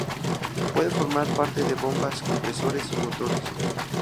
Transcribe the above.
Puede formar parte de bombas, compresores y motores.